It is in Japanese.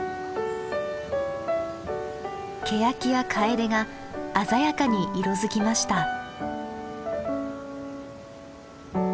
ケヤキやカエデが鮮やかに色づきました。